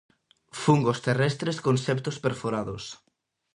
Fungos terrestres con septos perforados.